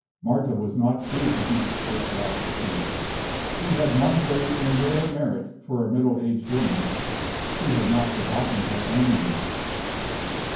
Marta was not proof against this last appeal. She had one great and rare merit for a middle aged woman she had not forgotten her own youth.